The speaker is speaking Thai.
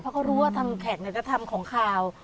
เพราะรู้ว่าแขกเนี่ยก็จะทำของขาว